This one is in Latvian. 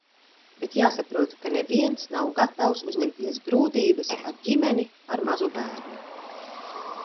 Bet jāsaprot, ka neviens nav gatavs uzņemties grūtības ar ģimeni ar mazu bērnu.